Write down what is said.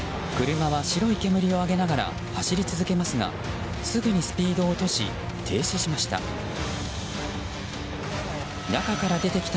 車は白い煙を上げながら走り続けますがすぐにスピードを落とし停止しました。